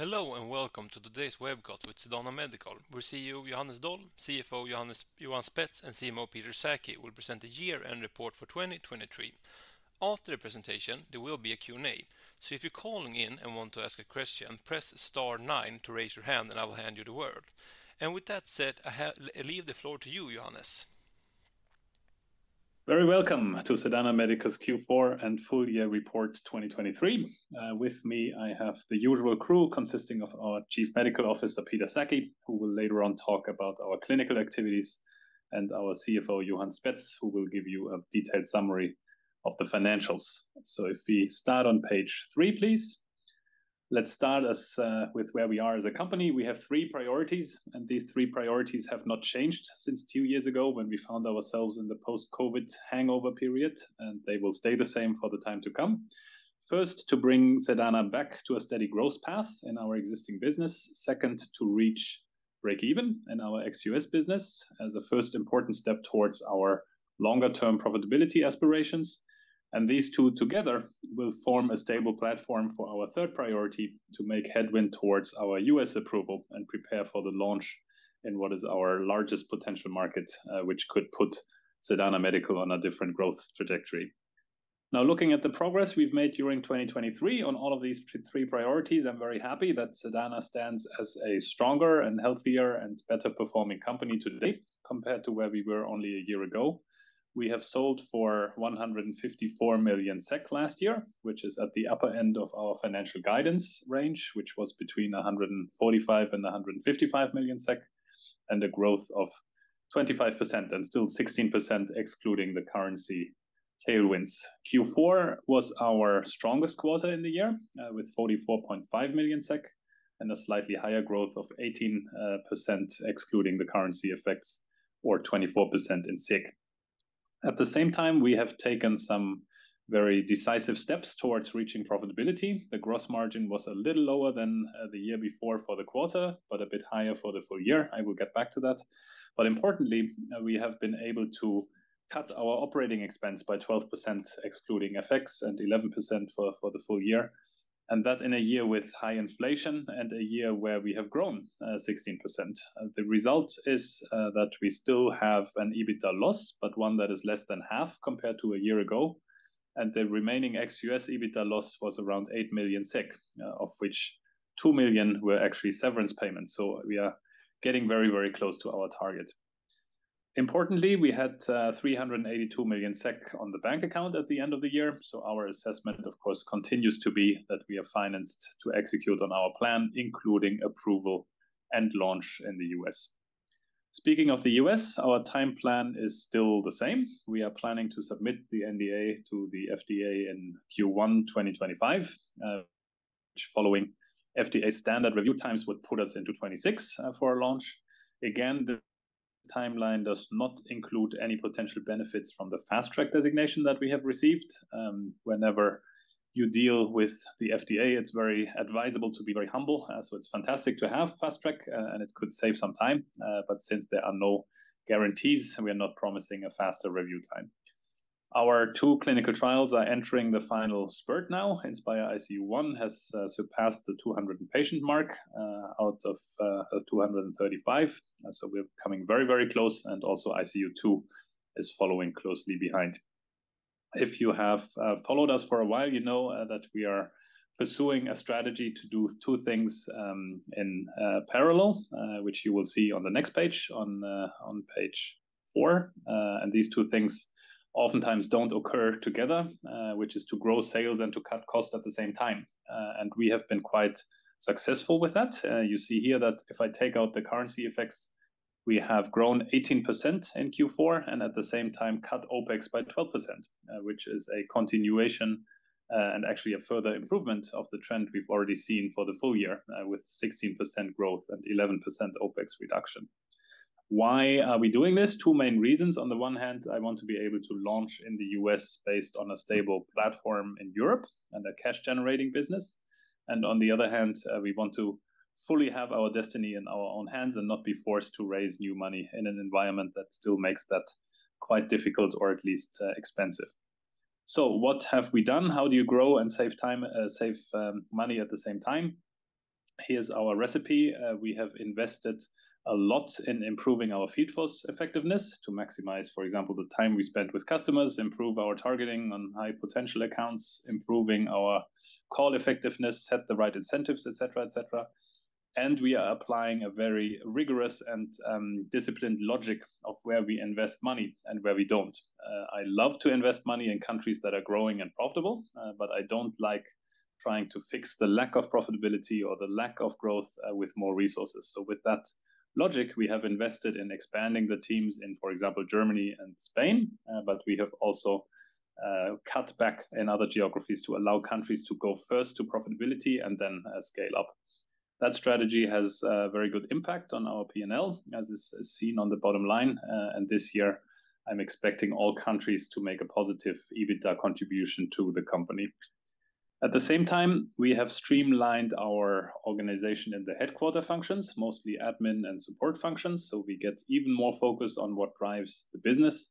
Hello and welcome to today's webcast with Sedana Medical, where CEO Johannes Doll, CFO Johan Spetz, and CMO Peter Sackey will present a year-end report for 2023. After the presentation, there will be a Q&A, so if you're calling in and want to ask a question, press star nine to raise your hand and I will hand you the word. With that said, I leave the floor to you, Johannes. Very welcome to Sedana Medical's Q4 and full-year report 2023. With me, I have the usual crew consisting of our Chief Medical Officer, Peter Sackey, who will later on talk about our clinical activities, and our CFO, Johan Spetz, who will give you a detailed summary of the financials. If we start on page 3, please. Let's start with where we are as a company. We have three priorities, and these three priorities have not changed since two years ago when we found ourselves in the post-COVID hangover period, and they will stay the same for the time to come. First, to bring Sedana back to a steady growth path in our existing business. Second, to reach break-even in our ex-US business as a first important step towards our longer-term profitability aspirations. These two together will form a stable platform for our third priority to make headway towards our US approval and prepare for the launch in what is our largest potential market, which could put Sedana Medical on a different growth trajectory. Now, looking at the progress we've made during 2023 on all of these three priorities, I'm very happy that Sedana stands as a stronger and healthier and better performing company to date compared to where we were only a year ago. We have sold for 154 million SEK last year, which is at the upper end of our financial guidance range, which was between 145 million-155 million SEK, and a growth of 25% and still 16% excluding the currency tailwinds. Q4 was our strongest quarter in the year with 44.5 million SEK and a slightly higher growth of 18% excluding the currency effects or 24% in SEK. At the same time, we have taken some very decisive steps towards reaching profitability. The gross margin was a little lower than the year before for the quarter, but a bit higher for the full year. I will get back to that. But importantly, we have been able to cut our operating expense by 12% excluding FX and 11% for the full year. And that in a year with high inflation and a year where we have grown 16%. The result is that we still have an EBITDA loss, but one that is less than half compared to a year ago. And the remaining ex-US EBITDA loss was around 8 million SEK, of which 2 million were actually severance payments. So we are getting very, very close to our target. Importantly, we had 382 million SEK on the bank account at the end of the year. So our assessment, of course, continues to be that we are financed to execute on our plan, including approval and launch in the U.S. Speaking of the U.S., our time plan is still the same. We are planning to submit the NDA to the FDA in Q1 2025, which following FDA standard review times would put us into 2026 for a launch. Again, the timeline does not include any potential benefits from the Fast Track designation that we have received. Whenever you deal with the FDA, it's very advisable to be very humble. So it's fantastic to have Fast Track, and it could save some time, but since there are no guarantees, we are not promising a faster review time. Our two clinical trials are entering the final spurt now. INSPiRE-ICU 1 has surpassed the 200 patient mark out of 235. We're coming very, very close, and also ICU 2 is following closely behind. If you have followed us for a while, you know that we are pursuing a strategy to do two things in parallel, which you will see on the next page on page four. These two things oftentimes don't occur together, which is to grow sales and to cut costs at the same time. We have been quite successful with that. You see here that if I take out the currency effects, we have grown 18% in Q4 and at the same time cut OPEX by 12%, which is a continuation and actually a further improvement of the trend we've already seen for the full year with 16% growth and 11% OPEX reduction. Why are we doing this? Two main reasons. On the one hand, I want to be able to launch in the U.S. based on a stable platform in Europe and a cash-generating business. And on the other hand, we want to fully have our destiny in our own hands and not be forced to raise new money in an environment that still makes that quite difficult or at least expensive. So what have we done? How do you grow and save time save money at the same time? Here's our recipe. We have invested a lot in improving our field force effectiveness to maximize, for example, the time we spent with customers, improve our targeting on high potential accounts, improving our call effectiveness, set the right incentives, et cetera, et cetera. And we are applying a very rigorous and disciplined logic of where we invest money and where we don't. I love to invest money in countries that are growing and profitable, but I don't like trying to fix the lack of profitability or the lack of growth with more resources. So with that logic, we have invested in expanding the teams in, for example, Germany and Spain, but we have also cut back in other geographies to allow countries to go first to profitability and then scale up. That strategy has a very good impact on our P&L as is seen on the bottom line. This year, I'm expecting all countries to make a positive EBITDA contribution to the company. At the same time, we have streamlined our organization in the headquarters functions, mostly admin and support functions. We get even more focus on what drives the business.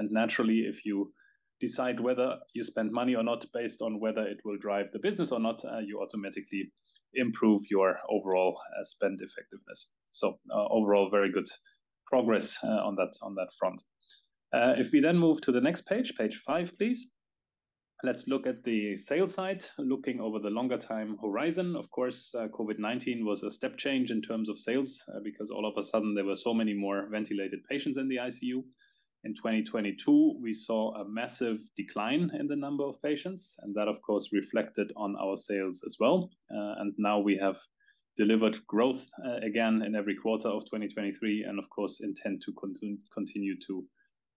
Naturally, if you decide whether you spend money or not based on whether it will drive the business or not, you automatically improve your overall spend effectiveness. Overall, very good progress on that front. If we then move to the next page, page five, please. Let's look at the sales side looking over the longer time horizon. Of course, COVID-19 was a step change in terms of sales because all of a sudden there were so many more ventilated patients in the ICU. In 2022, we saw a massive decline in the number of patients, and that, of course, reflected on our sales as well. Now we have delivered growth again in every quarter of 2023 and, of course, intend to continue to do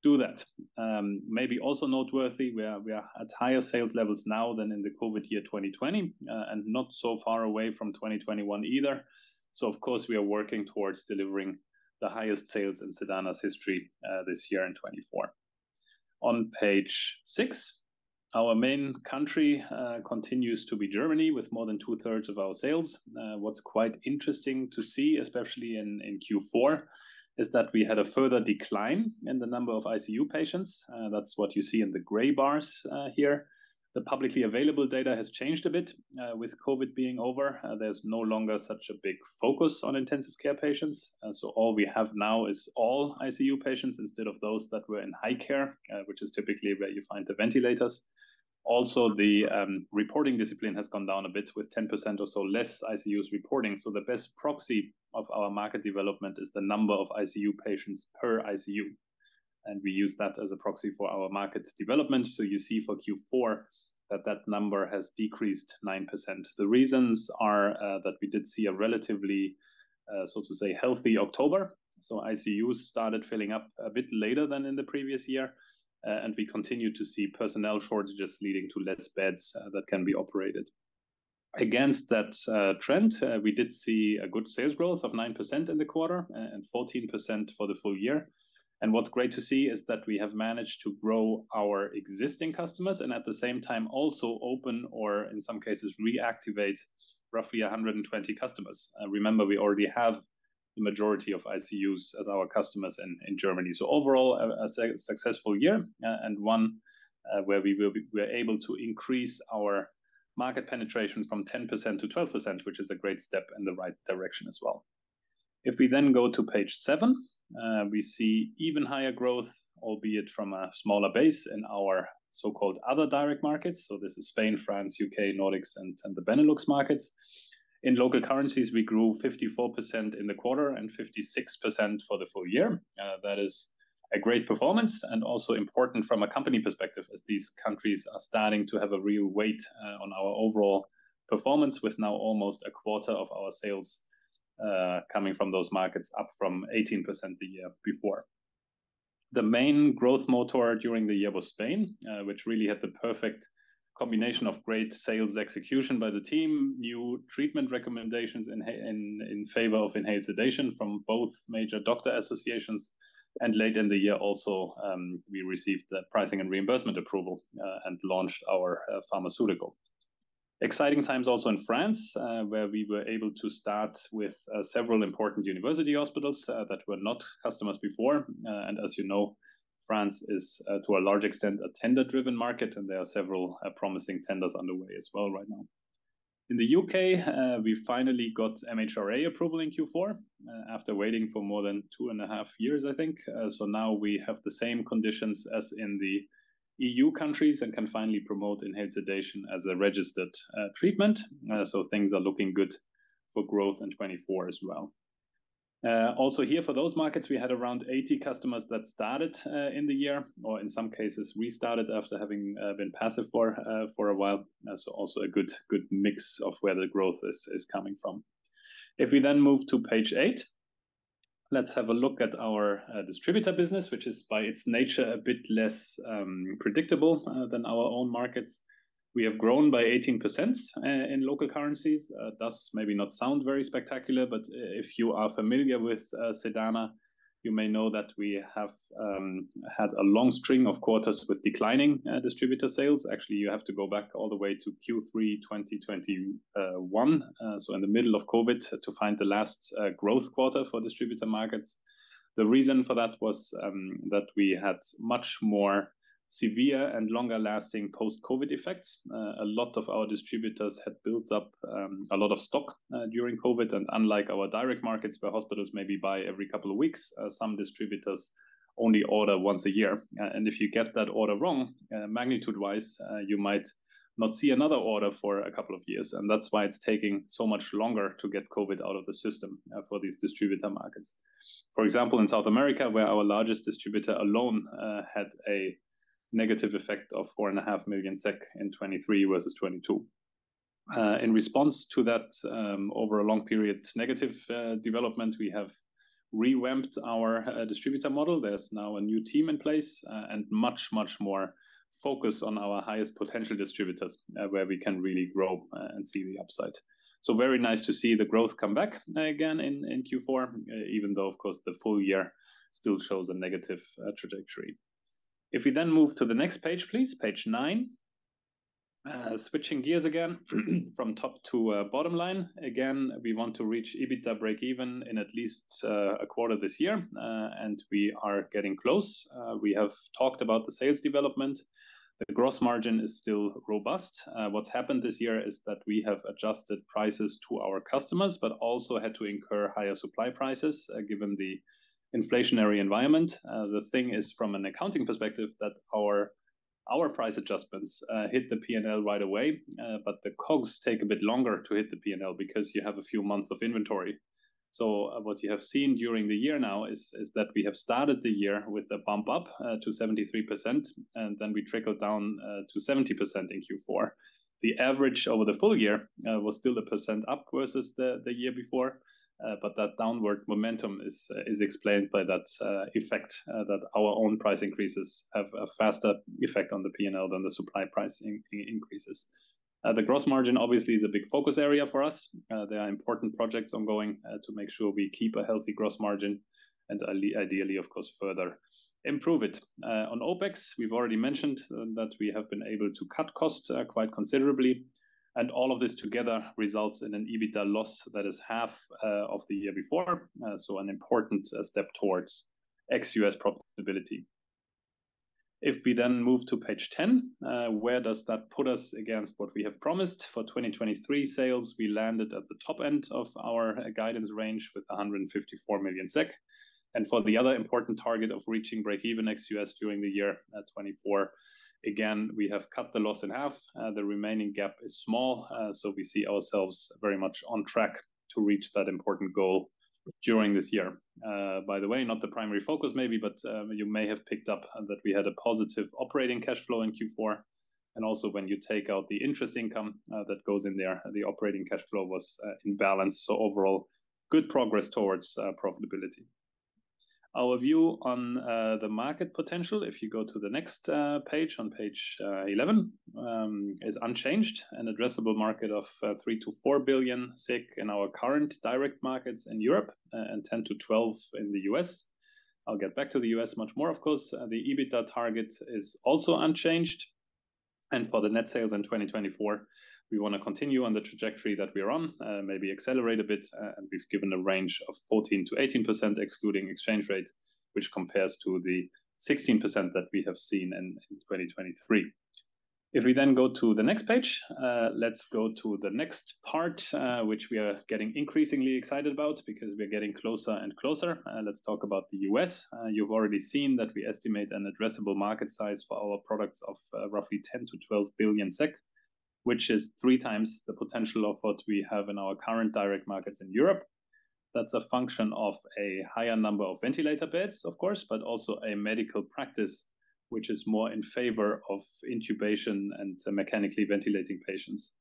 that. Maybe also noteworthy, we are at higher sales levels now than in the COVID year 2020 and not so far away from 2021 either. So, of course, we are working towards delivering the highest sales in Sedana's history this year in 2024. On page six, our main country continues to be Germany with more than two-thirds of our sales. What's quite interesting to see, especially in Q4, is that we had a further decline in the number of ICU patients. That's what you see in the gray bars here. The publicly available data has changed a bit with COVID being over. There's no longer such a big focus on intensive care patients. So all we have now is all ICU patients instead of those that were in high care, which is typically where you find the ventilators. Also, the reporting discipline has gone down a bit with 10% or so less ICUs reporting. So the best proxy of our market development is the number of ICU patients per ICU. And we use that as a proxy for our market development. So you see for Q4 that that number has decreased 9%. The reasons are that we did see a relatively, so to say, healthy October. So ICUs started filling up a bit later than in the previous year. And we continue to see personnel shortages leading to less beds that can be operated. Against that trend, we did see a good sales growth of 9% in the quarter and 14% for the full year. And what's great to see is that we have managed to grow our existing customers and at the same time also open or in some cases reactivate roughly 120 customers. Remember, we already have the majority of ICUs as our customers in Germany. So overall, a successful year and one where we were able to increase our market penetration from 10%-12%, which is a great step in the right direction as well. If we then go to page seven, we see even higher growth, albeit from a smaller base in our so-called other direct markets. So this is Spain, France, UK, Nordics, and the Benelux markets. In local currencies, we grew 54% in the quarter and 56% for the full year. That is a great performance and also important from a company perspective as these countries are starting to have a real weight on our overall performance with now almost a quarter of our sales coming from those markets up from 18% the year before. The main growth motor during the year was Spain, which really had the perfect combination of great sales execution by the team, new treatment recommendations in favor of inhaled sedation from both major doctor associations. And late in the year, also we received the pricing and reimbursement approval and launched our pharmaceutical. Exciting times also in France where we were able to start with several important university hospitals that were not customers before. And as you know, France is to a large extent a tender-driven market and there are several promising tenders underway as well right now. In the UK, we finally got MHRA approval in Q4 after waiting for more than two and a half years, I think. So now we have the same conditions as in the EU countries and can finally promote inhaled sedation as a registered treatment. So things are looking good for growth in 2024 as well. Also here for those markets, we had around 80 customers that started in the year or in some cases restarted after having been passive for a while. So also a good mix of where the growth is coming from. If we then move to page eight, let's have a look at our distributor business, which is by its nature a bit less predictable than our own markets. We have grown by 18% in local currencies. Does maybe not sound very spectacular, but if you are familiar with Sedana, you may know that we have had a long string of quarters with declining distributor sales. Actually, you have to go back all the way to Q3 2021. So in the middle of COVID to find the last growth quarter for distributor markets. The reason for that was that we had much more severe and longer-lasting post-COVID effects. A lot of our distributors had built up a lot of stock during COVID and unlike our direct markets where hospitals maybe buy every couple of weeks, some distributors only order once a year. If you get that order wrong, magnitude-wise, you might not see another order for a couple of years. That's why it's taking so much longer to get COVID out of the system for these distributor markets. For example, in South America, where our largest distributor alone had a negative effect of 4.5 million SEK in 2023 versus 2022. In response to that over a long period negative development, we have revamped our distributor model. There's now a new team in place and much, much more focus on our highest potential distributors where we can really grow and see the upside. So very nice to see the growth come back again in Q4, even though, of course, the full year still shows a negative trajectory. If we then move to the next page, please, page nine. Switching gears again from top to bottom line. Again, we want to reach EBITDA break-even in at least a quarter this year. And we are getting close. We have talked about the sales development. The gross margin is still robust. What's happened this year is that we have adjusted prices to our customers, but also had to incur higher supply prices given the inflationary environment. The thing is, from an accounting perspective, that our price adjustments hit the P&L right away, but the COGS take a bit longer to hit the P&L because you have a few months of inventory. So what you have seen during the year now is that we have started the year with a bump up to 73% and then we trickled down to 70% in Q4. The average over the full year was still 1% up versus the year before. But that downward momentum is explained by that effect that our own price increases have a faster effect on the P&L than the supply price increases. The gross margin obviously is a big focus area for us. There are important projects ongoing to make sure we keep a healthy gross margin and ideally, of course, further improve it. On OPEX, we've already mentioned that we have been able to cut costs quite considerably. All of this together results in an EBITDA loss that is half of the year before. An important step towards ex-US profitability. If we then move to Page 10, where does that put us against what we have promised for 2023 sales? We landed at the top end of our guidance range with 154 million SEK. For the other important target of reaching break-even ex-US during the year 2024, again, we have cut the loss in half. The remaining gap is small. We see ourselves very much on track to reach that important goal during this year. By the way, not the primary focus maybe, but you may have picked up that we had a positive operating cash flow in Q4. Also when you take out the interest income that goes in there, the operating cash flow was in balance. Overall, good progress towards profitability. Our view on the market potential, if you go to the next page on Page 11, is unchanged: an addressable market of 3-4 billion in our current direct markets in Europe and 10-12 billion in the US. I'll get back to the US much more, of course. The EBITDA target is also unchanged. For the net sales in 2024, we want to continue on the trajectory that we are on, maybe accelerate a bit. We've given a range of 14%-18% excluding exchange rate, which compares to the 16% that we have seen in 2023. If we then go to the next page, let's go to the next part, which we are getting increasingly excited about because we are getting closer and closer. Let's talk about the U.S. You've already seen that we estimate an addressable market size for our products of roughly 10-12 billion SEK, which is three times the potential of what we have in our current direct markets in Europe. That's a function of a higher number of ventilator beds, of course, but also a medical practice which is more in favor of intubation and mechanically ventilating patients.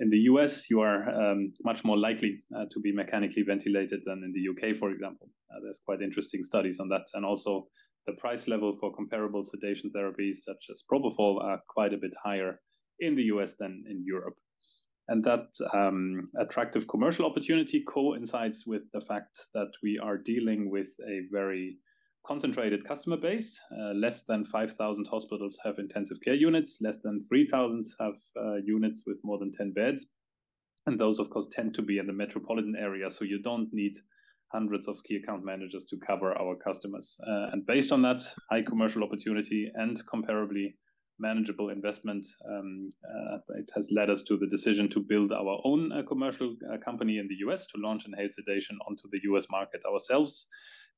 In the U.S., you are much more likely to be mechanically ventilated than in the U.K., for example. There's quite interesting studies on that. And also the price level for comparable sedation therapies such as propofol are quite a bit higher in the U.S. than in Europe. That attractive commercial opportunity coincides with the fact that we are dealing with a very concentrated customer base. Less than 5,000 hospitals have intensive care units. Less than 3,000 have units with more than 10 beds. Those, of course, tend to be in the metropolitan area. You don't need hundreds of key account managers to cover our customers. Based on that high commercial opportunity and comparably manageable investment, it has led us to the decision to build our own commercial company in the U.S. to launch inhaled sedation onto the U.S. market ourselves.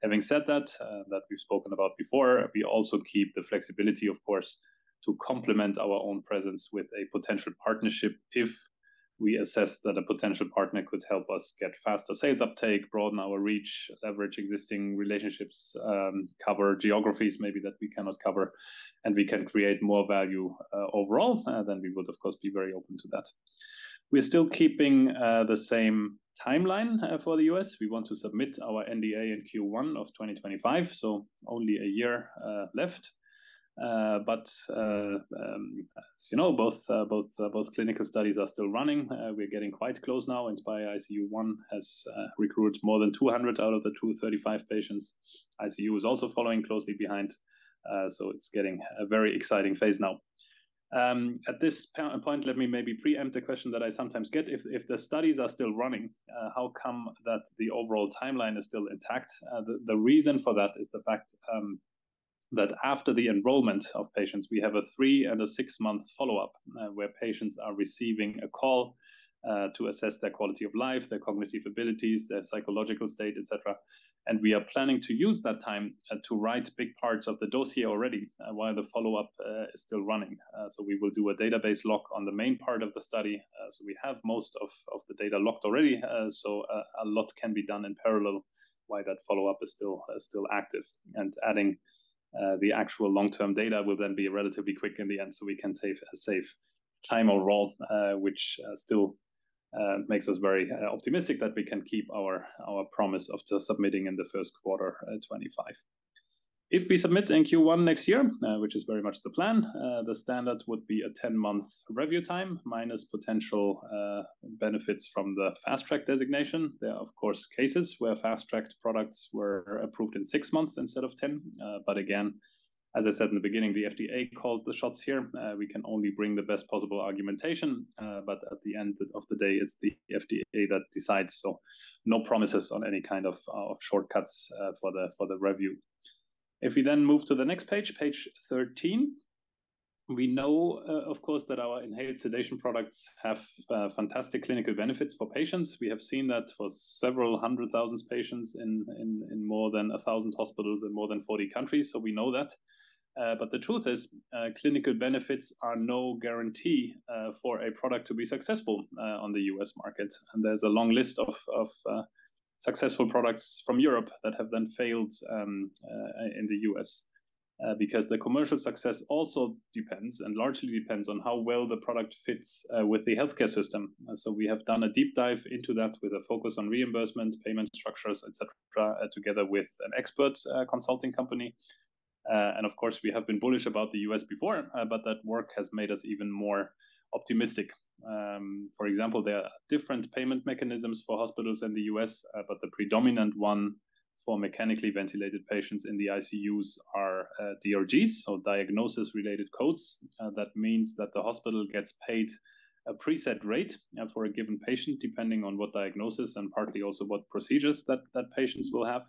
Having said that, that we've spoken about before, we also keep the flexibility, of course, to complement our own presence with a potential partnership if we assess that a potential partner could help us get faster sales uptake, broaden our reach, leverage existing relationships, cover geographies maybe that we cannot cover, and we can create more value overall, then we would, of course, be very open to that. We're still keeping the same timeline for the U.S. We want to submit our NDA in Q1 of 2025, so only a year left. But as you know, both both both clinical studies are still running. We're getting quite close now. INSPiRE-ICU 1 has recruited more than 200 out of the 235 patients. ICU is also following closely behind. So it's getting a very exciting phase now. At this point, let me maybe preempt the question that I sometimes get. If the studies are still running, how come that the overall timeline is still intact? The reason for that is the fact that after the enrollment of patients, we have a 3-month and 6-month follow-up where patients are receiving a call to assess their quality of life, their cognitive abilities, their psychological state, etc. And we are planning to use that time to write big parts of the dossier already while the follow-up is still running. So we will do a database lock on the main part of the study. So we have most of the data locked already. So a lot can be done in parallel while that follow-up is still active. Adding the actual long-term data will then be relatively quick in the end so we can save time overall, which still makes us very optimistic that we can keep our promise of submitting in the first quarter 2025. If we submit in Q1 next year, which is very much the plan, the standard would be a 10-month review time minus potential benefits from the Fast Track Designation. There are, of course, cases where Fast Track products were approved in six months instead of 10. But again, as I said in the beginning, the FDA called the shots here. We can only bring the best possible argumentation, but at the end of the day, it's the FDA that decides. So no promises on any kind of shortcuts for the review. If we then move to the next page, Page 13, we know, of course, that our inhaled sedation products have fantastic clinical benefits for patients. We have seen that for several hundred thousand patients in more than 1,000 hospitals in more than 40 countries. So we know that. But the truth is, clinical benefits are no guarantee for a product to be successful on the U.S. market. And there's a long list of successful products from Europe that have then failed in the U.S. because the commercial success also depends and largely depends on how well the product fits with the healthcare system. So we have done a deep dive into that with a focus on reimbursement, payment structures, etc., together with an expert consulting company. And of course, we have been bullish about the U.S. before, but that work has made us even more optimistic. For example, there are different payment mechanisms for hospitals in the U.S., but the predominant one for mechanically ventilated patients in the ICUs are DRGs, so diagnosis-related codes. That means that the hospital gets paid a preset rate for a given patient depending on what diagnosis and partly also what procedures that patients will have.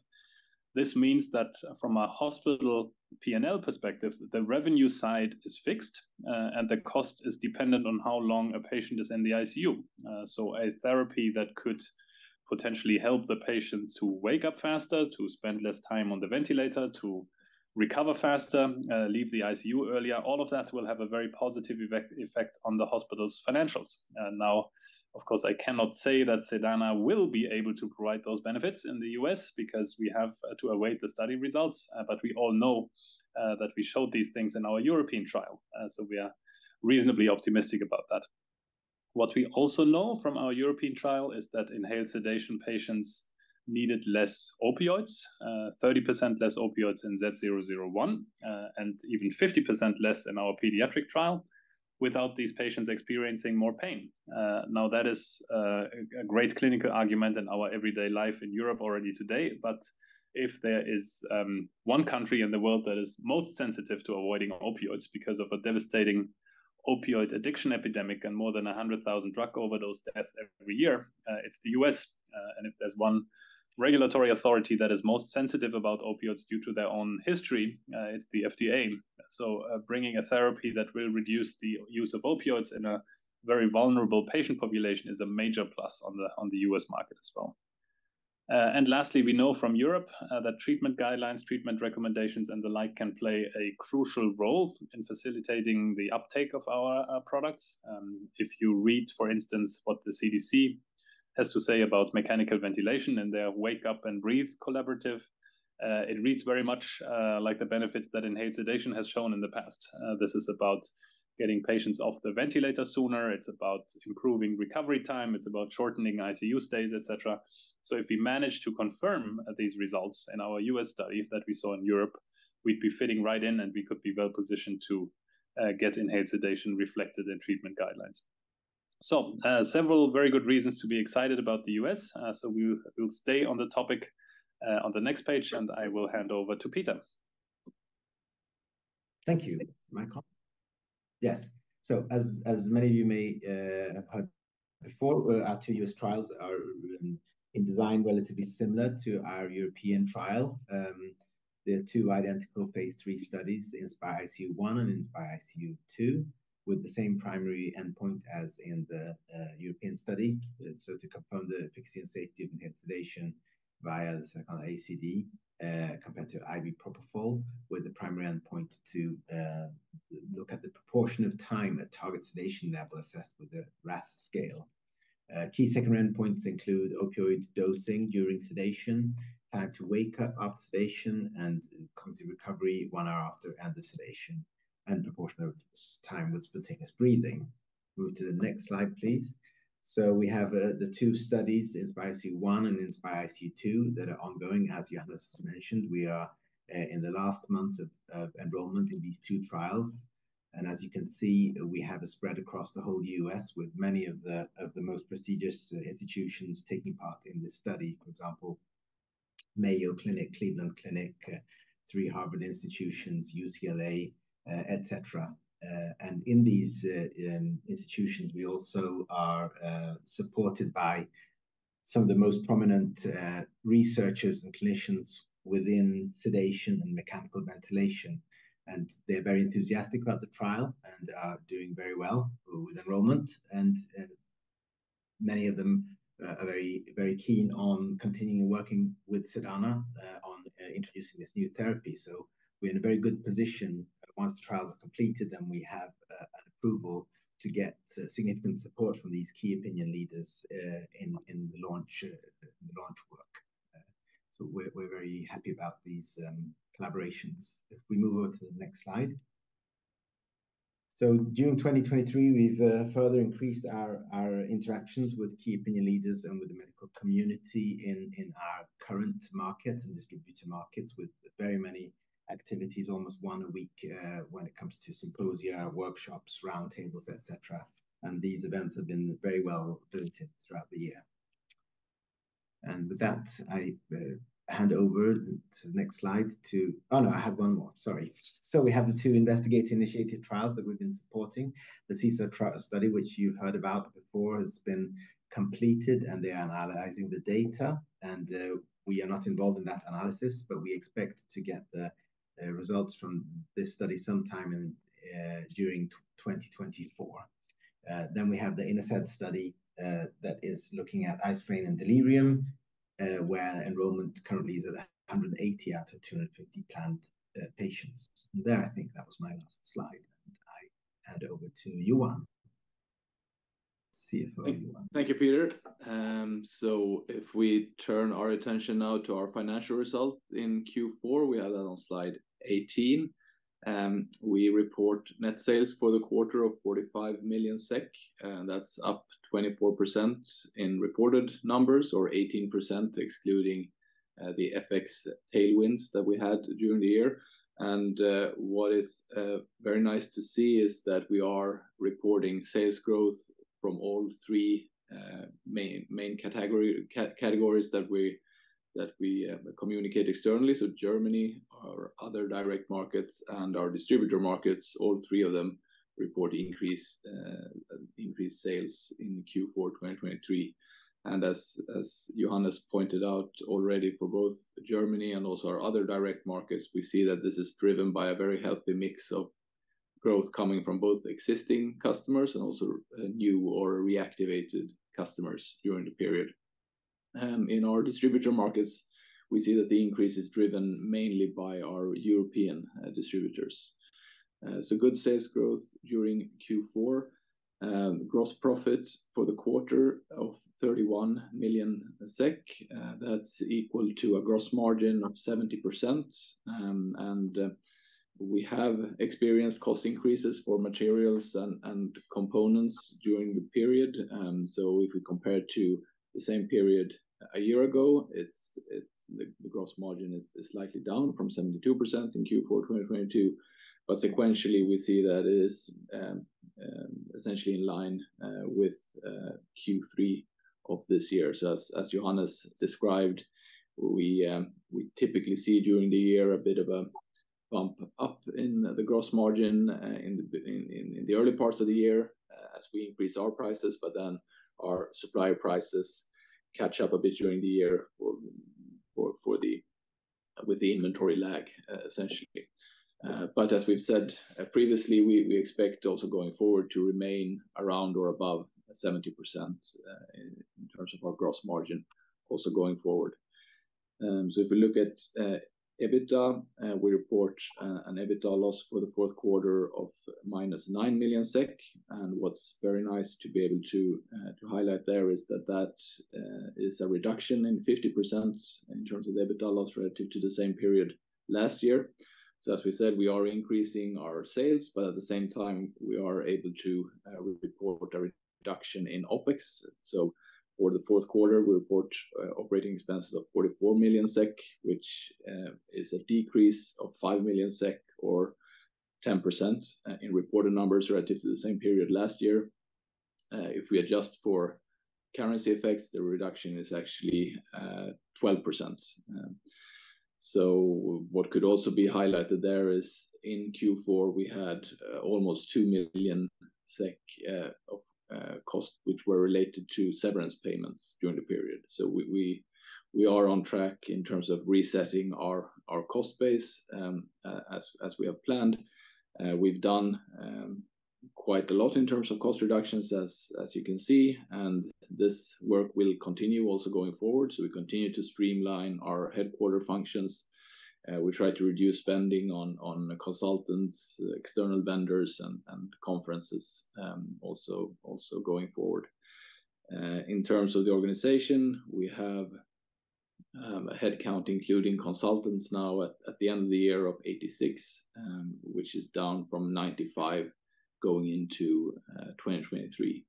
This means that from a hospital P&L perspective, the revenue side is fixed and the cost is dependent on how long a patient is in the ICU. So a therapy that could potentially help the patient to wake up faster, to spend less time on the ventilator, to recover faster, leave the ICU earlier, all of that will have a very positive effect on the hospital's financials. Now, of course, I cannot say that Sedana will be able to provide those benefits in the U.S. because we have to await the study results, but we all know that we showed these things in our European trial. So we are reasonably optimistic about that. What we also know from our European trial is that inhaled sedation patients needed less opioids, 30% less opioids in SED001 and even 50% less in our pediatric trial without these patients experiencing more pain. Now, that is a great clinical argument in our everyday life in Europe already today. But if there is one country in the world that is most sensitive to avoiding opioids because of a devastating opioid addiction epidemic and more than 100,000 drug overdose deaths every year, it's the U.S. If there's one regulatory authority that is most sensitive about opioids due to their own history, it's the FDA. So bringing a therapy that will reduce the use of opioids in a very vulnerable patient population is a major plus on the U.S. market as well. And lastly, we know from Europe that treatment guidelines, treatment recommendations, and the like can play a crucial role in facilitating the uptake of our products. If you read, for instance, what the CDC has to say about mechanical ventilation and their Wake Up and Breathe collaborative, it reads very much like the benefits that inhaled sedation has shown in the past. This is about getting patients off the ventilator sooner. It's about improving recovery time. It's about shortening ICU stays, etc. So if we manage to confirm these results in our U.S. study that we saw in Europe, we'd be fitting right in and we could be well positioned to get inhaled sedation reflected in treatment guidelines. So several very good reasons to be excited about the U.S. So we'll stay on the topic on the next page and I will hand over to Peter. Thank you. Thanks, Michael. Yes. So as many of you may have heard before, our two US trials are in design relatively similar to our European trial. There are two identical phase III studies, INSPiRE-ICU 1 and INSPiRE-ICU 2, with the same primary endpoint as in the European study. So to confirm the efficacy and safety of inhaled sedation via the Sedaconda ACD compared to IV propofol with the primary endpoint to look at the proportion of time at target sedation level assessed with the RASS scale. Key secondary endpoints include opioid dosing during sedation, time to wake up after sedation, and cognitive recovery one hour after end of sedation and proportion of time with spontaneous breathing. Move to the next slide, please. So we have the two studies, INSPiRE-ICU 1 and INSPiRE-ICU 2, that are ongoing. As Johannes mentioned, we are in the last months of enrollment in these two trials. As you can see, we have a spread across the whole U.S. with many of the most prestigious institutions taking part in this study. For example, Mayo Clinic, Cleveland Clinic, three Harvard institutions, UCLA, etc. In these institutions, we also are supported by some of the most prominent researchers and clinicians within sedation and mechanical ventilation. They're very enthusiastic about the trial and are doing very well with enrollment. Many of them are very, very keen on continuing working with Sedana on introducing this new therapy. We're in a very good position once the trials are completed and we have an approval to get significant support from these key opinion leaders in the launch work. We're very happy about these collaborations. If we move over to the next slide. So during 2023, we've further increased our interactions with key opinion leaders and with the medical community in our current markets and distributor markets with very many activities, almost one a week when it comes to symposia, workshops, roundtables, etc. And these events have been very well visited throughout the year. And with that, I hand over to the next slide to, oh no, I had one more. Sorry. So we have the two investigator-initiated trials that we've been supporting. The SESAR study, which you've heard about before, has been completed and they are analyzing the data. And we are not involved in that analysis, but we expect to get the results from this study sometime during 2024. Then we have the INSED study that is looking at isoflurane and delirium, where enrollment currently is at 180 out of 250 planned patients. There, I think that was my last slide. I hand over to Johan. CFO Johan. Thank you, Peter. So if we turn our attention now to our financial result in Q4, we have that on slide 18. We report net sales for the quarter of 45 million SEK. That's up 24% in reported numbers or 18% excluding the FX tailwinds that we had during the year. And what is very nice to see is that we are reporting sales growth from all three main categories that we communicate externally. So Germany, our other direct markets, and our distributor markets, all three of them report increased sales in Q4 2023. And as Johannes pointed out already for both Germany and also our other direct markets, we see that this is driven by a very healthy mix of growth coming from both existing customers and also new or reactivated customers during the period. In our distributor markets, we see that the increase is driven mainly by our European distributors. So good sales growth during Q4, gross profit for the quarter of 31 million SEK. That's equal to a gross margin of 70%. And we have experienced cost increases for materials and components during the period. So if we compare it to the same period a year ago, the gross margin is slightly down from 72% in Q4 2022. But sequentially, we see that it is essentially in line with Q3 of this year. So as Johannes described, we typically see during the year a bit of a bump up in the gross margin in the early parts of the year as we increase our prices, but then our supplier prices catch up a bit during the year with the inventory lag, essentially. But as we've said previously, we expect also going forward to remain around or above 70% in terms of our gross margin also going forward. So if we look at EBITDA, we report an EBITDA loss for the fourth quarter of -9 million SEK. And what's very nice to be able to highlight there is that that is a reduction in 50% in terms of EBITDA loss relative to the same period last year. So as we said, we are increasing our sales, but at the same time, we are able to report a reduction in OPEX. So for the fourth quarter, we report operating expenses of 44 million SEK, which is a decrease of 5 million SEK or 10% in reported numbers relative to the same period last year. If we adjust for currency effects, the reduction is actually 12%. So what could also be highlighted there is in Q4, we had almost 2 million SEK of cost, which were related to severance payments during the period. So we are on track in terms of resetting our cost base as we have planned. We've done quite a lot in terms of cost reductions, as you can see. And this work will continue also going forward. So we continue to streamline our headquarter functions. We try to reduce spending on consultants, external vendors, and conferences also going forward. In terms of the organization, we have a headcount including consultants now at the end of the year of 86, which is down from 95 going into 2023.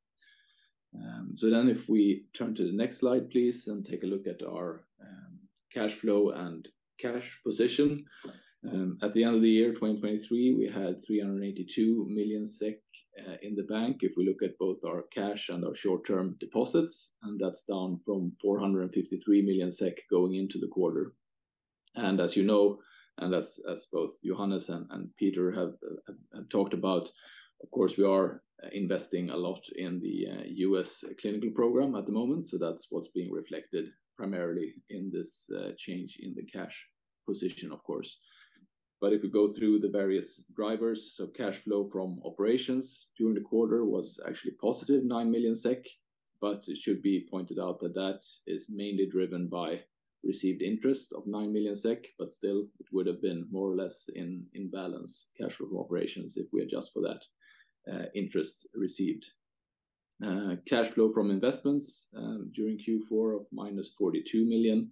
So then if we turn to the next slide, please, and take a look at our cash flow and cash position. At the end of the year 2023, we had 382 million SEK in the bank if we look at both our cash and our short-term deposits. That's down from 453 million SEK going into the quarter. As you know, and as both Johannes and Peter have talked about, of course, we are investing a lot in the U.S. clinical program at the moment. That's what's being reflected primarily in this change in the cash position, of course. If we go through the various drivers, cash flow from operations during the quarter was actually positive 9 million SEK. It should be pointed out that that is mainly driven by received interest of 9 million SEK, but still it would have been more or less in balance cash flow from operations if we adjust for that interest received. Cash flow from investments during Q4 of -42 million.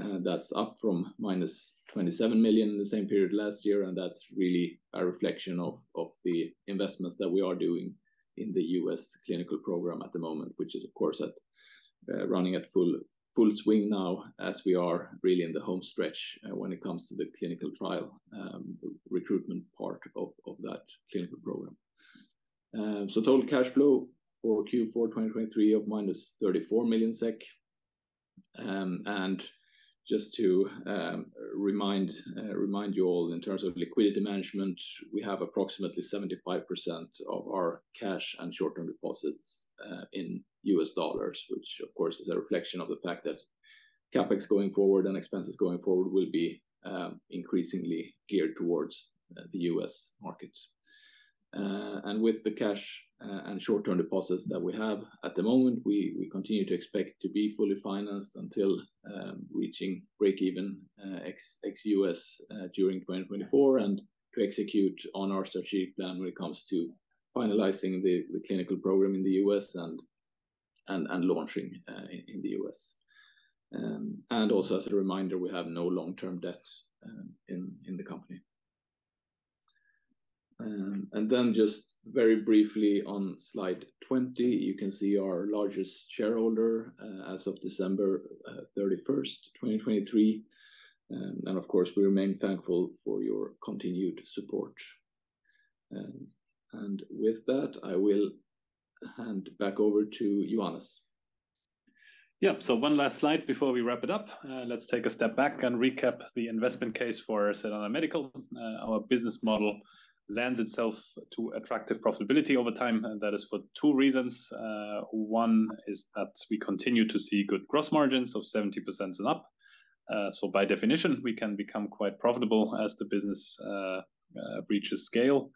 That's up from -27 million in the same period last year. That's really a reflection of the investments that we are doing in the US clinical program at the moment, which is, of course, running at full swing now as we are really in the home stretch when it comes to the clinical trial recruitment part of that clinical program. Total cash flow for Q4 2023 of -34 million SEK. Just to remind you all in terms of liquidity management, we have approximately 75% of our cash and short-term deposits in US dollars, which, of course, is a reflection of the fact that CapEx going forward and expenses going forward will be increasingly geared towards the US markets. With the cash and short-term deposits that we have at the moment, we continue to expect to be fully financed until reaching break-even ex-U.S. during 2024 and to execute on our strategic plan when it comes to finalizing the clinical program in the U.S. and launching in the U.S. Also as a reminder, we have no long-term debt in the company. Then just very briefly on slide 20, you can see our largest shareholder as of December 31st, 2023. Of course, we remain thankful for your continued support. With that, I will hand back over to Johannes. Yeah, so one last slide before we wrap it up. Let's take a step back and recap the investment case for Sedana Medical. Our business model lends itself to attractive profitability over time. That is for two reasons. One is that we continue to see good gross margins of 70% and up. By definition, we can become quite profitable as the business reaches scale.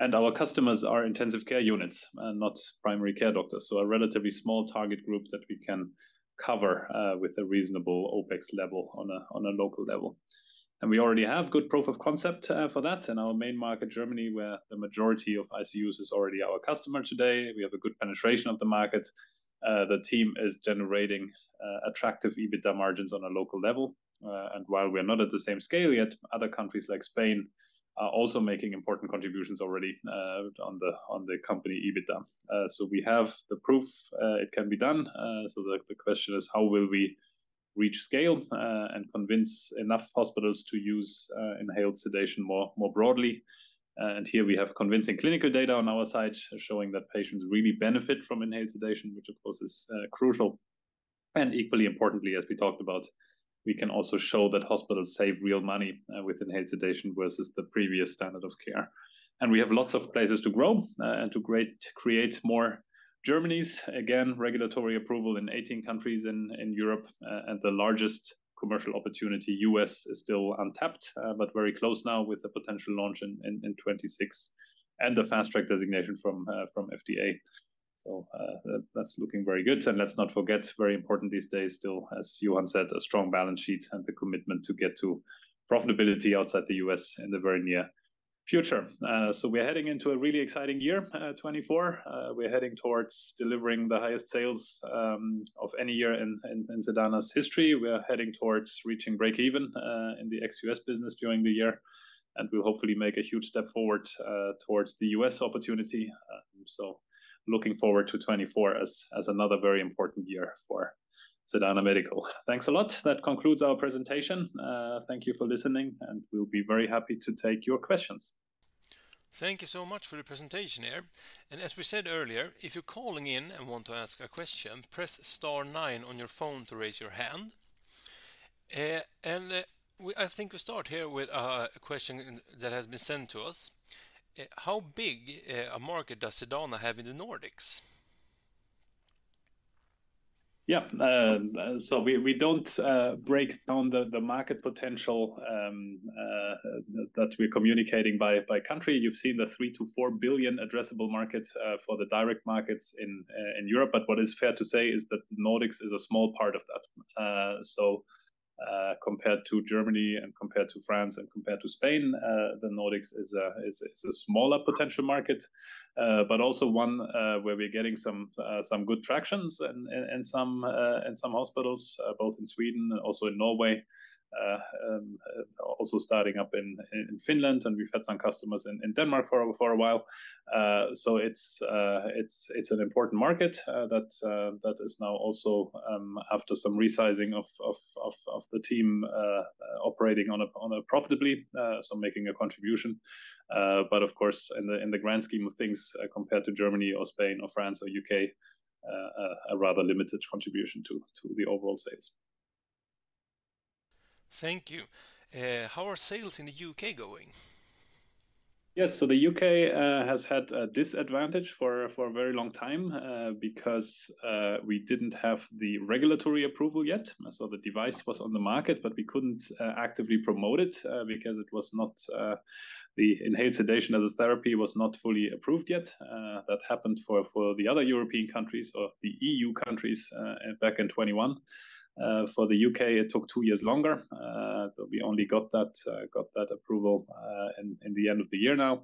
Our customers are intensive care units, not primary care doctors. A relatively small target group that we can cover with a reasonable OPEX level on a local level. We already have good proof of concept for that in our main market, Germany, where the majority of ICUs is already our customer today. We have a good penetration of the market. The team is generating attractive EBITDA margins on a local level. While we are not at the same scale yet, other countries like Spain are also making important contributions already on the company EBITDA. We have the proof it can be done. So the question is, how will we reach scale and convince enough hospitals to use inhaled sedation more broadly? Here we have convincing clinical data on our side showing that patients really benefit from inhaled sedation, which, of course, is crucial. Equally importantly, as we talked about, we can also show that hospitals save real money with inhaled sedation versus the previous standard of care. We have lots of places to grow and to create more Germanies, again, regulatory approval in 18 countries in Europe and the largest commercial opportunity, U.S., is still untapped, but very close now with a potential launch in 2026 and the Fast Track Designation from FDA. That's looking very good. Let's not forget, very important these days, still, as Johan said, a strong balance sheet and the commitment to get to profitability outside the U.S. in the very near future. We're heading into a really exciting year, 2024. We're heading towards delivering the highest sales of any year in Sedana's history. We're heading towards reaching break-even in the ex-U.S. business during the year. We'll hopefully make a huge step forward towards the U.S. opportunity. Looking forward to 2024 as another very important year for Sedana Medical. Thanks a lot. That concludes our presentation. Thank you for listening, and we'll be very happy to take your questions. Thank you so much for the presentation here. As we said earlier, if you're calling in and want to ask a question, press star nine on your phone to raise your hand. I think we start here with a question that has been sent to us. How big a market does Sedana have in the Nordics? Yeah, so we don't break down the market potential that we're communicating by country. You've seen the 3 billion-4 billion addressable markets for the direct markets in Europe. But what is fair to say is that the Nordics is a small part of that. So compared to Germany and compared to France and compared to Spain, the Nordics is a smaller potential market, but also one where we're getting some good traction in some hospitals, both in Sweden and also in Norway, also starting up in Finland. And we've had some customers in Denmark for a while. So it's an important market that is now also after some resizing of the team operating profitably, so making a contribution. But of course, in the grand scheme of things, compared to Germany or Spain or France or UK, a rather limited contribution to the overall sales. Thank you. How are sales in the U.K. going? Yes, so the UK has had a disadvantage for a very long time because we didn't have the regulatory approval yet. So the device was on the market, but we couldn't actively promote it because it was not the inhaled sedation as a therapy was not fully approved yet. That happened for the other European countries or the EU countries back in 2021. For the UK, it took two years longer. We only got that approval in the end of the year now.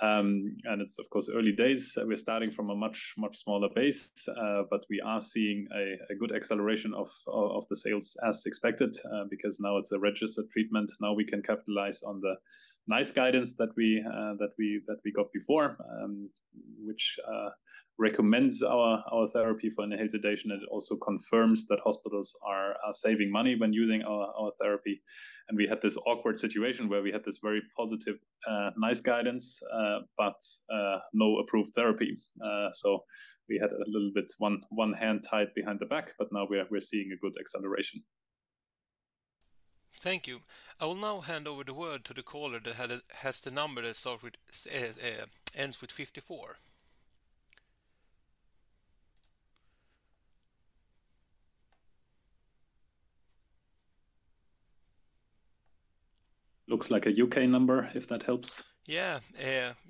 And it's, of course, early days. We're starting from a much, much smaller base, but we are seeing a good acceleration of the sales as expected because now it's a registered treatment. Now we can capitalize on the NICE guidance that we got before, which recommends our therapy for inhaled sedation. It also confirms that hospitals are saving money when using our therapy. We had this awkward situation where we had this very positive NICE guidance, but no approved therapy. So we had a little bit one hand tied behind the back, but now we're seeing a good acceleration. Thank you. I will now hand over the word to the caller that has the number that ends with 54. Looks like a UK number, if that helps. Yeah,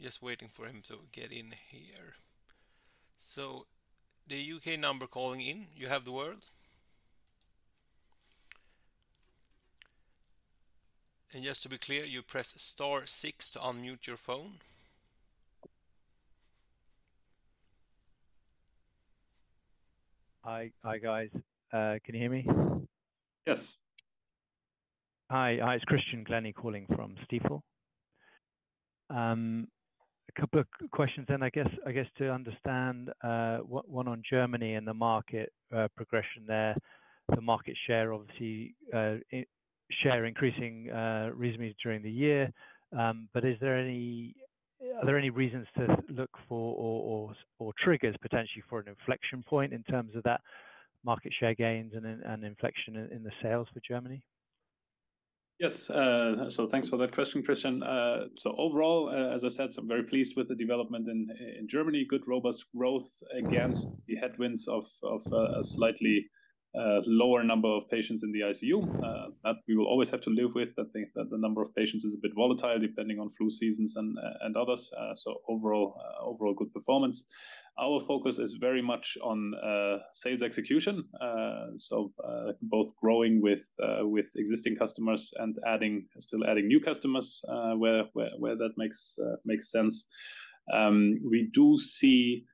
just waiting for him to get in here. So the UK number calling in, you have the word. And just to be clear, you press star 6 to unmute your phone. Hi, guys. Can you hear me? Yes. Yes. So thanks for that question, Christian. So overall, as I said, I'm very pleased with the development in Germany. Good robust growth against the headwinds of a slightly lower number of patients in the ICU. That we will always have to live with, that the number of patients is a bit volatile depending on flu seasons and others. So overall, good performance. Our focus is very much on sales execution. So both growing with existing customers and still adding new customers where that makes sense. We do see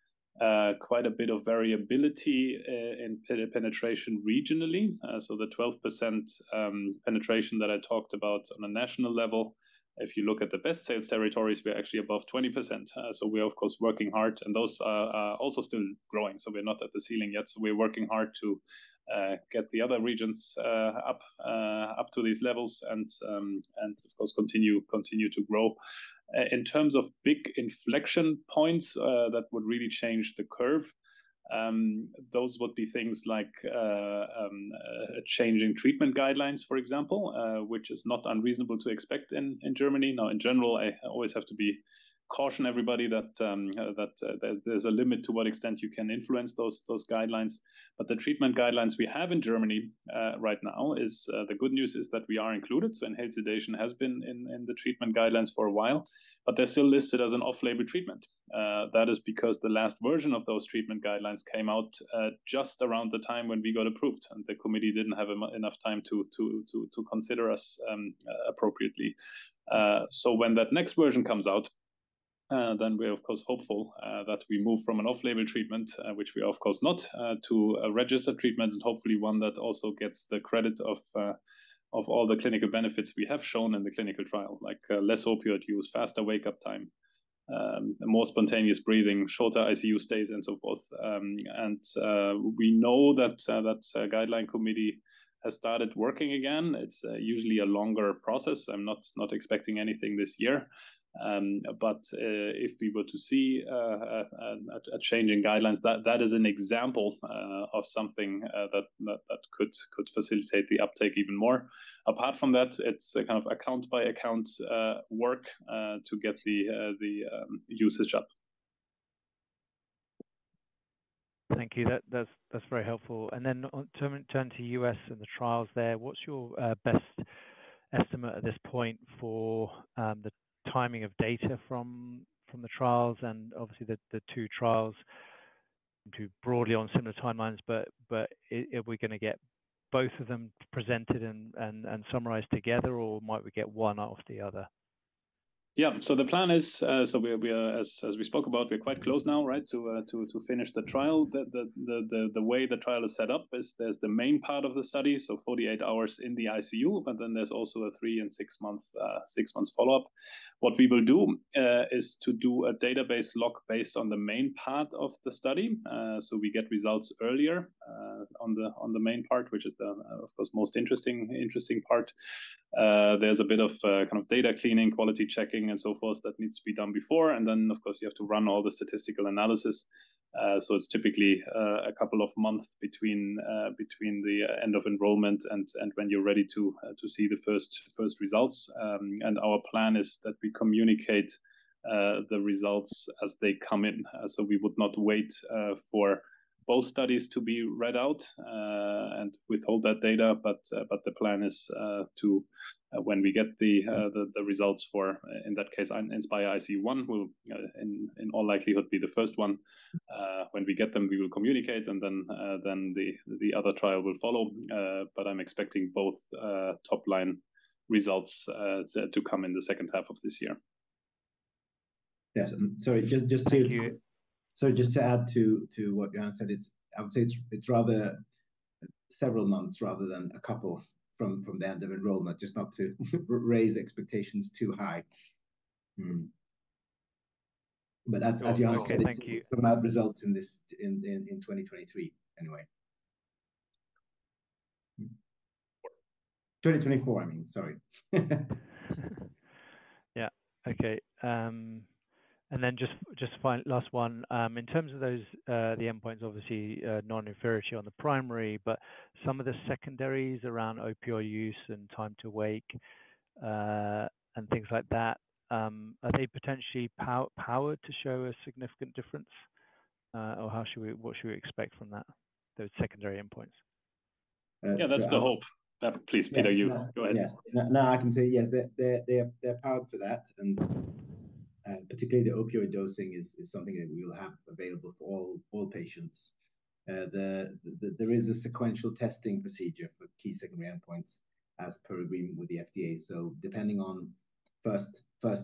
quite a bit of variability in penetration regionally. So the 12% penetration that I talked about on a national level, if you look at the best sales territories, we're actually above 20%. So we are, of course, working hard. And those are also still growing. So we're not at the ceiling yet. So we're working hard to get the other regions up to these levels and, of course, continue to grow. In terms of big inflection points that would really change the curve, those would be things like changing treatment guidelines, for example, which is not unreasonable to expect in Germany. Now, in general, I always have to caution everybody that there's a limit to what extent you can influence those guidelines. But the treatment guidelines we have in Germany right now is the good news is that we are included. So inhaled sedation has been in the treatment guidelines for a while, but they're still listed as an off-label treatment. That is because the last version of those treatment guidelines came out just around the time when we got approved. And the committee didn't have enough time to consider us appropriately. So when that next version comes out, then we are, of course, hopeful that we move from an off-label treatment, which we are, of course, not, to a registered treatment and hopefully one that also gets the credit of all the clinical benefits we have shown in the clinical trial, like less opioid use, faster wake-up time, more spontaneous breathing, shorter ICU stays, and so forth. We know that that guideline committee has started working again. It's usually a longer process. I'm not expecting anything this year. If we were to see a change in guidelines, that is an example of something that could facilitate the uptake even more. Apart from that, it's a kind of account-by-account work to get the usage up. Thank you. That's very helpful. And then turn to U.S. and the trials there. What's your best estimate at this point for the timing of data from the trials and obviously the two trials? Broadly on similar timelines, but are we going to get both of them presented and summarized together or might we get one out of the other? Yeah, so the plan is, so as we spoke about, we're quite close now, right, to finish the trial. The way the trial is set up is there's the main part of the study, so 48 hours in the ICU, but then there's also a 3-month and 6-month follow-up. What we will do is to do a database lock based on the main part of the study. So we get results earlier on the main part, which is the, of course, most interesting part. There's a bit of kind of data cleaning, quality checking, and so forth that needs to be done before. And then, of course, you have to run all the statistical analysis. So it's typically a couple of months between the end of enrollment and when you're ready to see the first results. And our plan is that we communicate the results as they come in. So we would not wait for both studies to be read out and withhold that data. But the plan is to, when we get the results for, in that case, INSPiRE-ICU 1, will in all likelihood be the first one. When we get them, we will communicate and then the other trial will follow. But I'm expecting both top-line results to come in the second half of this year. Yes. And sorry, just to add to what Johan said, I would say it's several months rather than a couple from the end of enrollment, just not to raise expectations too high. But as Johan said, it's about results in 2023 anyway, 2024, I mean. Sorry. Yeah, okay. And then just last one. In terms of the endpoints, obviously, non-inferiority on the primary, but some of the secondaries around opioid use and time to wake and things like that, are they potentially powered to show a significant difference? Or what should we expect from those secondary endpoints? Yeah, that's the hope. Please, Peter, you go ahead. Yes. No, I can say yes. They're powered for that. And particularly the opioid dosing is something that we will have available for all patients. There is a sequential testing procedure for key secondary endpoints as per agreement with the FDA. So depending on first key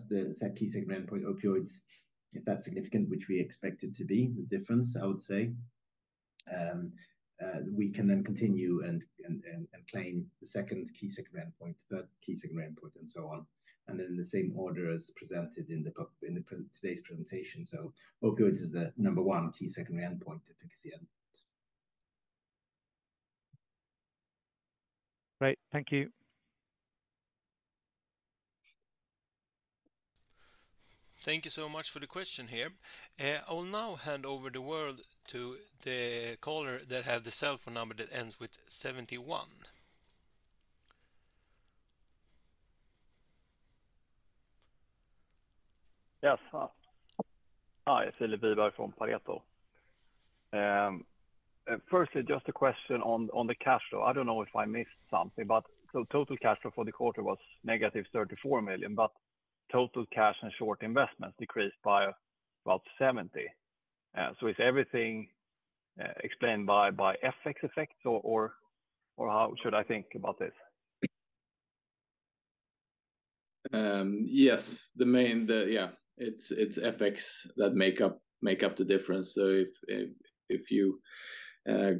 secondary endpoint opioids, if that's significant, which we expect it to be, the difference, I would say. We can then continue and claim the second key secondary endpoint, third key secondary endpoint, and so on. And then in the same order as presented in today's presentation. So opioids is the number one key secondary endpoint efficacy endpoint. Great. Thank you. Thank you so much for the question here. I will now hand over the word to the caller that has the cell phone number that ends with 71. Yes. Hi, it's Philip Wieberg from Pareto. Firstly, just a question on the cash flow. I don't know if I missed something, but total cash flow for the quarter was -34 million, but total cash and short investments decreased by about 70 million. So is everything explained by FX effects or how should I think about this? Yes, yeah, it's FX that make up the difference. So if you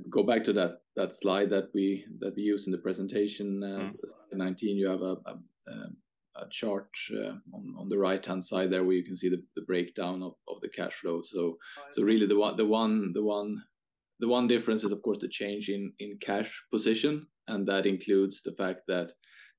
go back to that slide that we used in the presentation, slide 19, you have a chart on the right-hand side there where you can see the breakdown of the cash flow. So really, the one difference is, of course, the change in cash position. And that includes the fact that,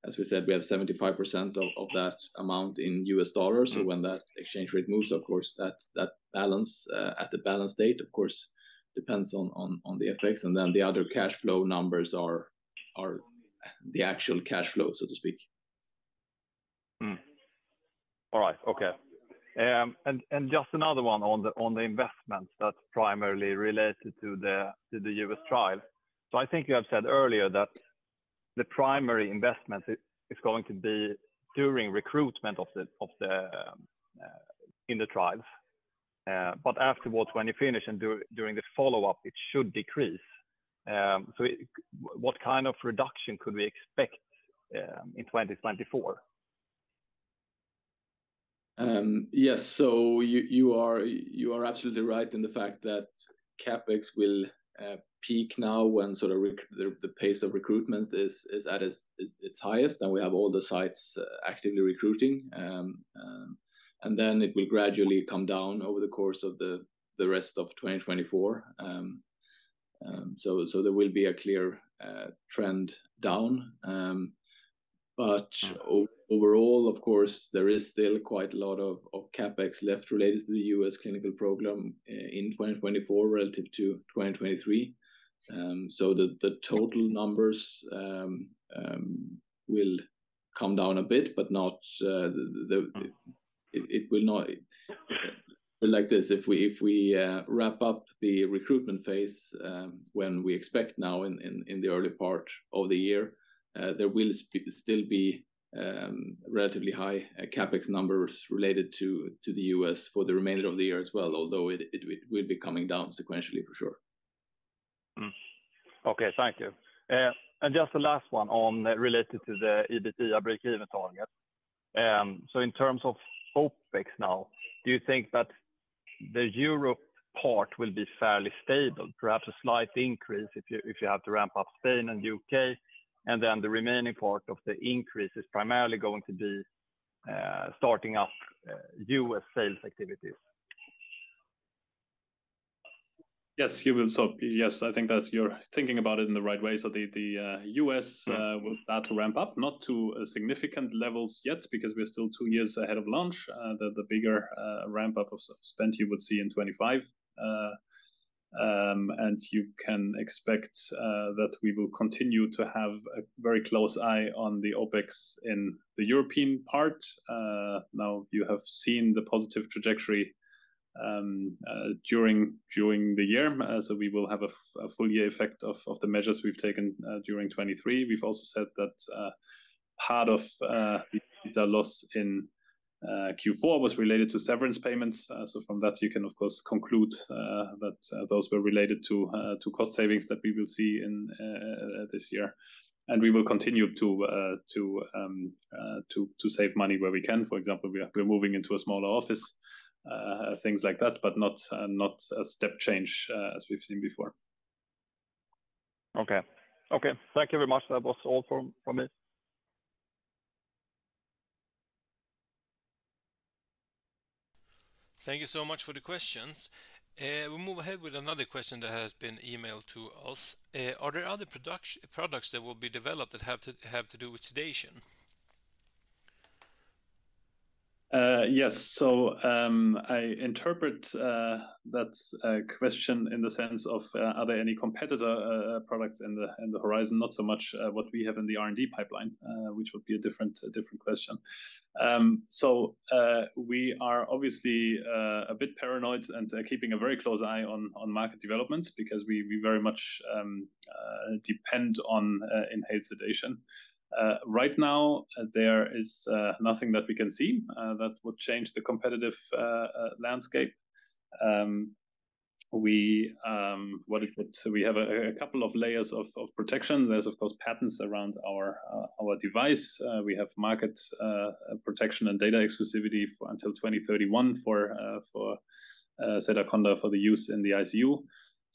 as we said, we have 75% of that amount in US dollars. So when that exchange rate moves, of course, that balance at the balance date, of course, depends on the effects. And then the other cash flow numbers are the actual cash flow, so to speak. All right. Okay. And just another one on the investments that's primarily related to the U.S. trials. So I think you have said earlier that the primary investment is going to be during recruitment in the trials. But afterwards, when you finish and during the follow-up, it should decrease. So what kind of reduction could we expect in 2024? Yes, so you are absolutely right in the fact that CapEx will peak now when sort of the pace of recruitment is at its highest and we have all the sites actively recruiting. Then it will gradually come down over the course of the rest of 2024. There will be a clear trend down. But overall, of course, there is still quite a lot of CapEx left related to the U.S. clinical program in 2024 relative to 2023. The total numbers will come down a bit, but it will not be like this. If we wrap up the recruitment phase when we expect now in the early part of the year, there will still be relatively high CapEx numbers related to the U.S. for the remainder of the year as well, although it will be coming down sequentially for sure. Okay, thank you. And just the last one related to the EBITDA break-even target. So in terms of OpEx now, do you think that the Europe part will be fairly stable, perhaps a slight increase if you have to ramp up Spain and UK? And then the remaining part of the increase is primarily going to be starting up US sales activities. Yes, you will stop. Yes, I think that you're thinking about it in the right way. So the U.S. will start to ramp up, not to significant levels yet because we're still two years ahead of launch. The bigger ramp-up of spend you would see in 2025. And you can expect that we will continue to have a very close eye on the OpEx in the European part. Now, you have seen the positive trajectory during the year. So we will have a full-year effect of the measures we've taken during 2023. We've also said that part of the loss in Q4 was related to severance payments. So from that, you can, of course, conclude that those were related to cost savings that we will see this year. And we will continue to save money where we can. For example, we're moving into a smaller office, things like that, but not a step change as we've seen before. Okay. Okay. Thank you very much. That was all from me. Thank you so much for the questions. We move ahead with another question that has been emailed to us. Are there other products that will be developed that have to do with sedation? Yes. So I interpret that question in the sense of are there any competitor products in the horizon? Not so much what we have in the R&D pipeline, which would be a different question. So we are obviously a bit paranoid and keeping a very close eye on market developments because we very much depend on inhaled sedation. Right now, there is nothing that we can see that would change the competitive landscape. What it would, we have a couple of layers of protection. There's, of course, patents around our device. We have market protection and data exclusivity until 2031 for Sedaconda for the use in the ICU.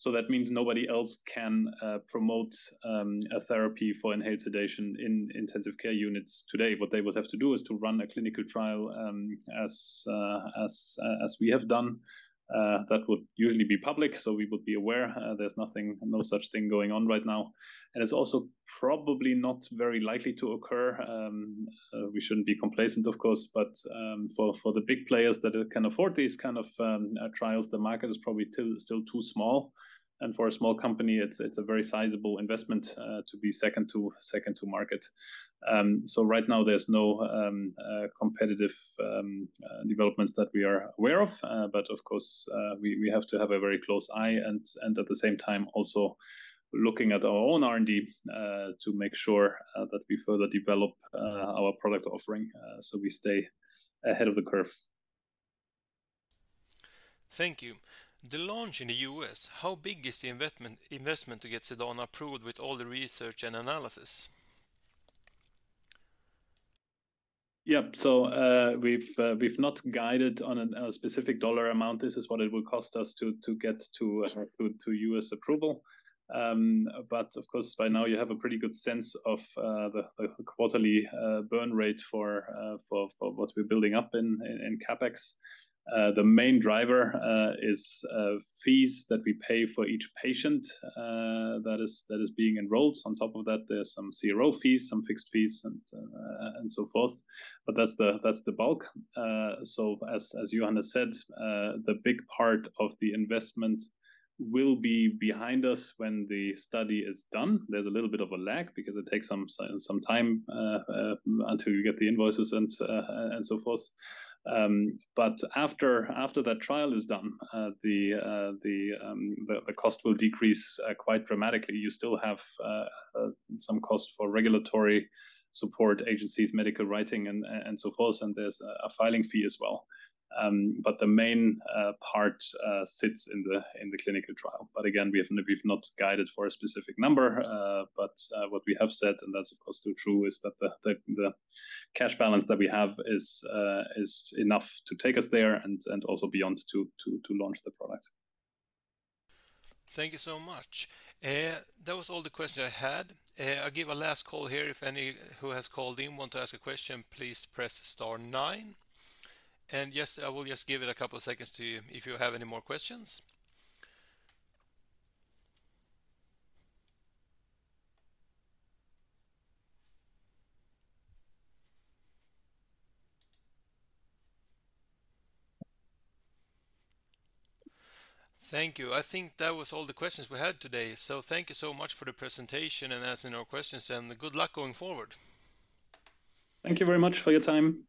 So that means nobody else can promote a therapy for inhaled sedation in intensive care units today. What they would have to do is to run a clinical trial as we have done. That would usually be public. So we would be aware. There's no such thing going on right now. And it's also probably not very likely to occur. We shouldn't be complacent, of course. But for the big players that can afford these kind of trials, the market is probably still too small. And for a small company, it's a very sizable investment to be second to market. So right now, there's no competitive developments that we are aware of. But of course, we have to have a very close eye and at the same time, also looking at our own R&D to make sure that we further develop our product offering so we stay ahead of the curve. Thank you. The launch in the U.S., how big is the investment to get Sedana approved with all the research and analysis? Yep. So we've not guided on a specific dollar amount. This is what it will cost us to get to U.S. approval. But of course, by now, you have a pretty good sense of the quarterly burn rate for what we're building up in CapEx. The main driver is fees that we pay for each patient that is being enrolled. On top of that, there's some CRO fees, some fixed fees, and so forth. But that's the bulk. So as Johan has said, the big part of the investment will be behind us when the study is done. There's a little bit of a lag because it takes some time until you get the invoices and so forth. But after that trial is done, the cost will decrease quite dramatically. You still have some cost for regulatory support agencies, medical writing, and so forth. There's a filing fee as well. The main part sits in the clinical trial. Again, we've not guided for a specific number. What we have said, and that's, of course, still true, is that the cash balance that we have is enough to take us there and also beyond to launch the product. Thank you so much. That was all the questions I had. I'll give a last call here. If any who has called in want to ask a question, please press star nine. And yes, I will just give it a couple of seconds to you if you have any more questions. Thank you. I think that was all the questions we had today. Thank you so much for the presentation and asking our questions. Good luck going forward. Thank you very much for your time.